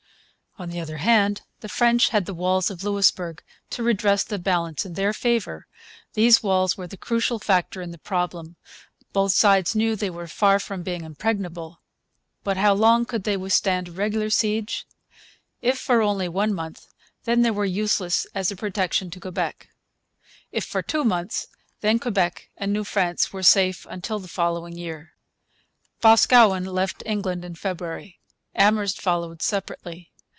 On the other hand, the French had the walls of Louisbourg to redress the balance in their favour. These walls were the crucial factor in the problem. Both sides knew they were far from being impregnable. But how long could they withstand a regular siege? If for only one month, then they were useless as a protection to Quebec. If for two months, then Quebec and New France were safe until the following year. Boscawen left England in February. Amherst followed separately.